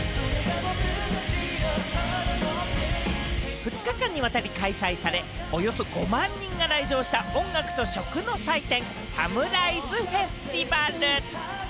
２日間にわたり開催され、およそ５万人が来場した、音楽と食の祭典・ＳＡＭＲＩＳＥＦｅｓｔｉｖａｌ。